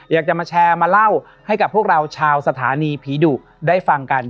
อยากจะมาแชร์มาเล่าให้กับพวกเราชาวสถานีผีดุได้ฟังกัน